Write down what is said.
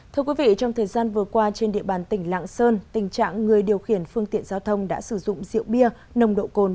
trong thời gian vừa qua trên địa bàn tỉnh lạng sơn tình trạng người điều khiển phương tiện giao thông đã sử dụng rượu bia nồng độ côn